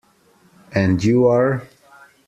And you are?